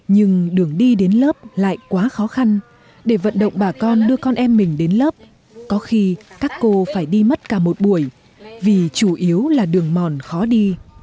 nhưng đường đi đến lớp lại quá khó khăn để vận động bà con đưa con em mình đến lớp có khi các cô phải đi mất cả một buổi vì chủ yếu là đường mòn khó đi